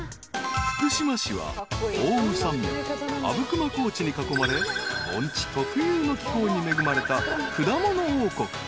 ［福島市は奥羽山脈阿武隈高地に囲まれ盆地特有の気候に恵まれた果物王国］